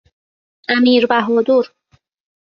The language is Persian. امیربهادر